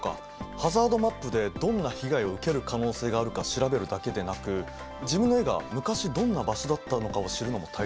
ハザードマップでどんな被害を受ける可能性があるか調べるだけでなく自分の家が昔どんな場所だったのかを知るのも大切だよね。